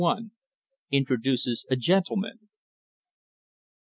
INTRODUCES A GENTLEMAN.